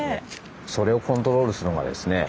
それをコントロールするのがですね